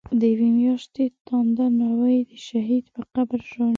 دیوی میاشتی تانده ناوی، د شهید په قبر ژاړی